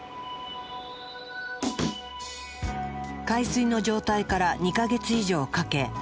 海水の状態から２か月以上をかけ